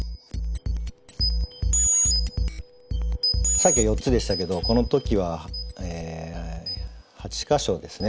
さっきは４つでしたけどこの時は８か所ですね